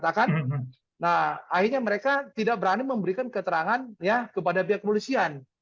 nah akhirnya mereka tidak berani memberikan keterangan kepada pihak kepolisian